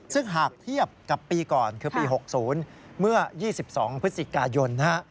ซึ่งหากเทียบกับปีก่อนคือปี๖๐เมื่อ๒๒พฤศจิกายน